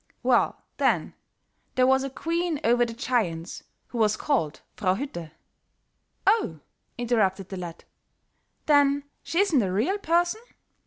"Well, then, there was a queen over the giants who was called Frau Hütte." "Oh," interrupted the lad, "then she isn't a real person?"